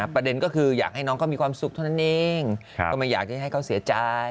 ประเด็นก็คืออยากให้น้องเขามีความสุขเท่านั้นเองก็ไม่อยากจะให้เขาเสียใจ